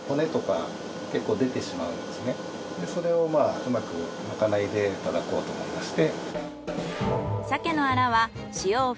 それをまあうまくまかないでいただこうと思いまして。